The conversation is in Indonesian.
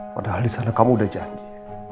padahal disana kamu udah janji